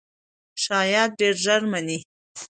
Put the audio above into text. شایعات ډېر ژر مني.